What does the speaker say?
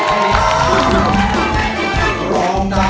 ขอบคุณครับขอบคุณครับ